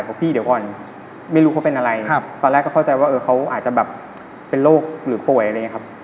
เพราะพี่เดี๋ยวก่อนไม่รู้เขาเป็นอะไรตอนแรกเขาเข้าใจว่าเขาอาจจะเป็นโรคหรือป่วย